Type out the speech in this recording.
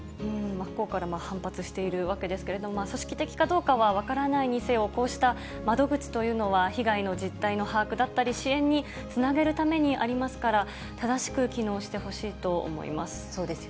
真っ向から反発しているわけですけれども、組織的かどうかは分からないにせよ、こうした窓口というのは、被害の実態の把握だったり、支援につなげるためにありますから、正しく機能してほしいと思います。